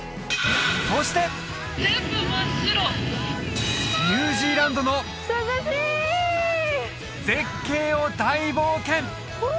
そしてニュージーランドの絶景を大冒険！